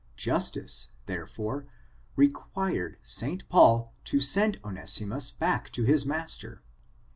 Justice, therefore, required St. Paul to send Onessimus back to his master.